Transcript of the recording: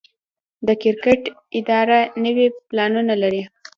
د کرکټ اداره نوي پلانونه لري.